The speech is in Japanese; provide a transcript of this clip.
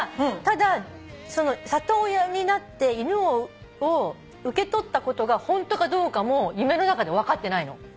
ただ里親になって犬を受け取ったことがホントかどうかも夢の中で分かってないの。